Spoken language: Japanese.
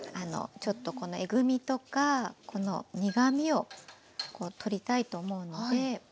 ちょっとこのえぐみとかこの苦みを取りたいと思うので。